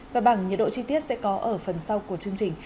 và bảng nhiệt độ chi tiết sẽ có ở phần sau của chương trình